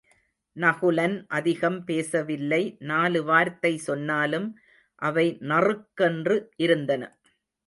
நகுலன் அதிகம் பேசவில்லை நாலு வார்த்தை சொன்னாலும் அவை நறுக்கென்று இருந்தன.